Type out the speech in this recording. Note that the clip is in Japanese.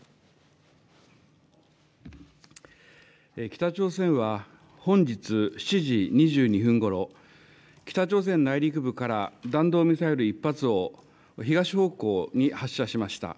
北朝鮮は本日７時２２分ごろ、北朝鮮内陸部から弾道ミサイル１発を、東方向に発射しました。